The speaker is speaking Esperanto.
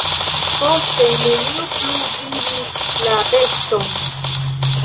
Poste neniu plu vidis la beston.